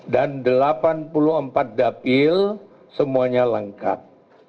dan delapan puluh empat dapil semuanya lengkap